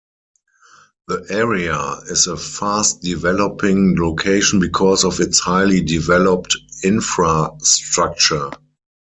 The area is a fast developing location because of its highly developed infra structure.